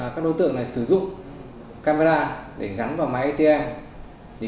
các đối tượng này sử dụng camera để gắn vào máy atm